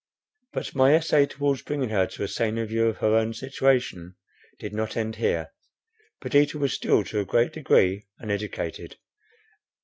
But my essay towards bringing her to a saner view of her own situation, did not end here. Perdita was still to a great degree uneducated.